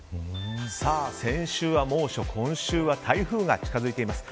先週は猛暑今週は台風が近づいています。